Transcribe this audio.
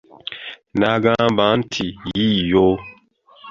N'agamba nti, yiiyo.